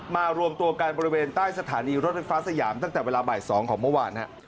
รวมตัวกันบริเวณใต้สถานีรถไฟฟ้าสยามตั้งแต่เวลาบ่าย๒ของเมื่อวาน